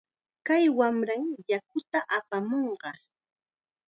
Kay wamram yakuta apamunqa.